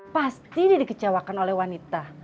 pasti ini dikecewakan oleh wanita